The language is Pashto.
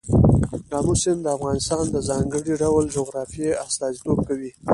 آمو سیند د افغانستان د ځانګړي ډول جغرافیه استازیتوب کوي.